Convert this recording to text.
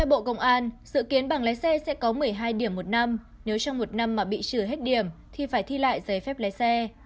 yến bằng lái xe sẽ có một mươi hai điểm một năm nếu trong một năm mà bị trừ hết điểm thì phải thi lại giấy phép lái xe